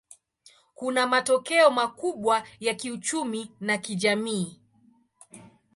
Kuna matokeo makubwa ya kiuchumi na kijamii.